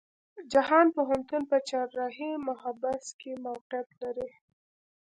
جهان پوهنتون په چهارراهی محبس کې موقيعت لري.